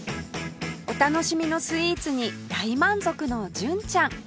お楽しみのスイーツに大満足の純ちゃん